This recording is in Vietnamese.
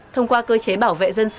thông qua cơ chế bảo vệ